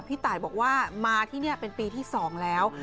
พี่ตายบอกว่ามาที่นี่เป็นปีที่๒แล้ว